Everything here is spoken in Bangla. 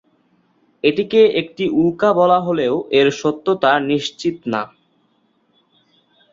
এটিকে একটি উল্কা বলা হলেও এর সত্যতা নিশ্চিত না।